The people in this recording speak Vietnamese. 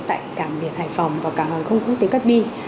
tại cảng việt hải phòng và cảng không quốc tế cáp bi